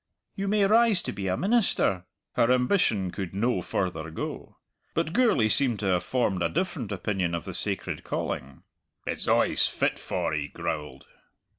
You may rise to be a minister." Her ambition could no further go. But Gourlay seemed to have formed a different opinion of the sacred calling. "It's a' he's fit for," he growled.